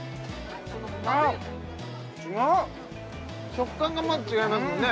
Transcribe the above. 食感がまず違いますもんね